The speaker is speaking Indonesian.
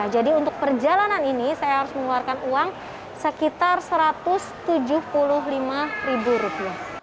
jadi untuk perjalanan ini saya harus mengeluarkan uang sekitar rp satu ratus tujuh puluh lima